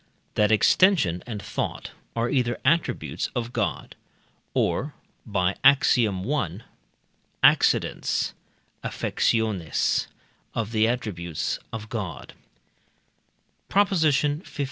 That extension and thought are either attributes of God or (by Ax. i.) accidents (affectiones) of the attributes of God. PROP. XV.